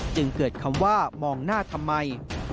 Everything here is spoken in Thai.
จึงเกิดคำว่ามองหน้าทำไม